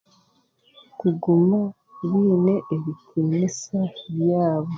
Kuguma baine ebitiniisa byabo